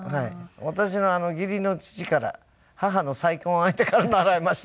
私の義理の父から母の再婚相手から習いましたので。